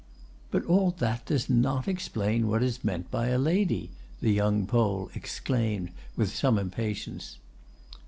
"But all that does not explain what is meant by a lady!" the young Pole exclaimed, with some impatience.